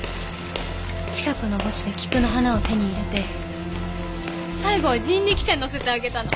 近くの墓地で菊の花を手に入れて最後は人力車に乗せてあげたの。